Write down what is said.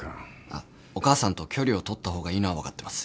あっお母さんと距離を取った方がいいのは分かってます。